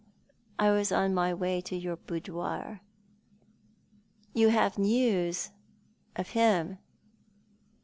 I was on my way to your boudoir." " You have news — of him